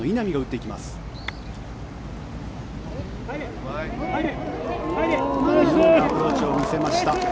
いいアプローチを見せました。